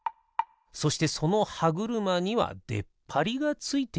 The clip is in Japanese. そしてそのはぐるまにはでっぱりがついている。